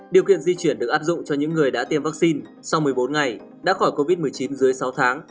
điều kiện di chuyển được áp dụng cho những người đã tiêm vaccine sau một mươi bốn ngày đã khỏi covid một mươi chín dưới sáu tháng